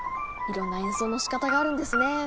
いろんな演奏のしかたがあるんですね。